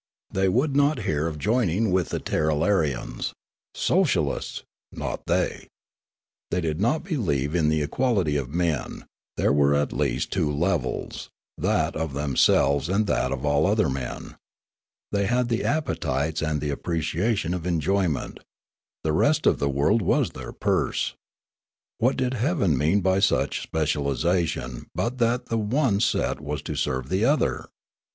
They would not hear of joining with the Tirralarians. Socialists ! Not they. 296 Riallaro They did not believe in the equalit}^ of men ; there were at least two levels, that of themselves and that of all other men; they had the appetites and the appreciation of enjoyment ; the rest of the world was their purse ; what did Heaven mean by such specialisation but that the one set was to serv^e the other